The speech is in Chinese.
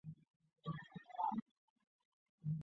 通称伊又卫门或猪右卫门。